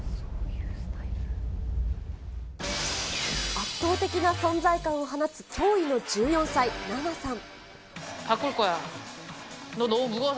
圧倒的な存在感を放つ驚異の１４歳、ナナさん。